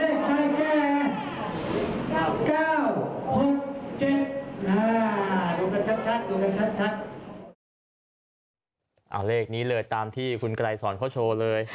เอาเลขนี้เลยตามที่คุณไกรสอนเขาโชว์เลย